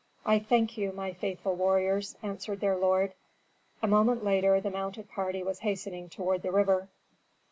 "I thank you, my faithful warriors," answered their lord. A moment later the mounted party was hastening toward the river.